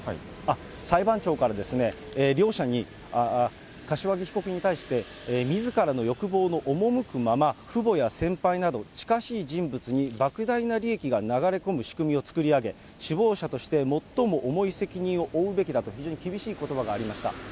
裁判長から両者に、柏木被告に対して、みずからの欲望の赴くまま、父母や先輩など、近しい人物に莫大な利益が流れ込む仕組みを作り上げ、首謀者として最も重い責任を負うべきだと、非常に厳しいことばがありました。